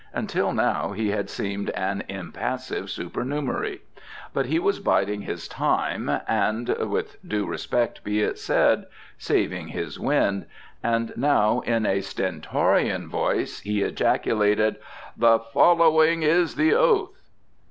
Until now he had seemed an impassive supernumerary. But he was biding his time, and with due respect be it said saving his wind, and now in a Stentorian voice he ejaculated, "_The following is the oath!